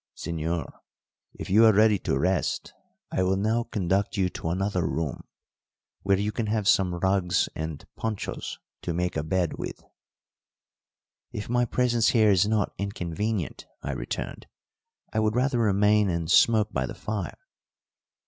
"Señor, if you are ready to rest I will now conduct you to another room, where you can have some rugs and ponchos to make a bed with." "If my presence here is not inconvenient," I returned, "I would rather remain and smoke by the fire."